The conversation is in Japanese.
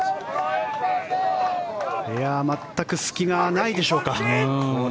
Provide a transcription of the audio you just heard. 全く隙がないでしょうか。